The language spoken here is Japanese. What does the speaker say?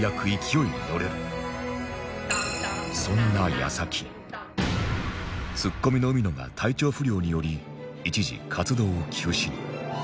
これでツッコミの海野が体調不良により一時活動を休止